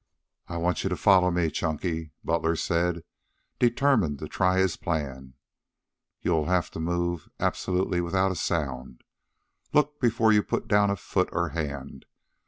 "I want you to follow me, Chunky," Butler said, determined to try his plan. "You will have to move absolutely without a sound. Look before you put down foot or hand.